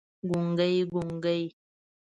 ګونګي، ګونګي